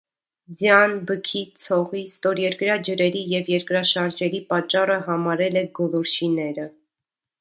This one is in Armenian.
Ձյան, բքի, ցողի, ստորերկրյա ջրերի և երկրաշարժերի պատճառը համարել է գոլորշիները։